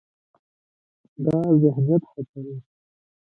دا ذهنیت هڅوي،